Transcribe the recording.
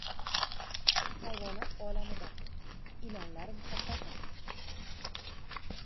«Hayvonot olamida»: Ilonlar muhabbati.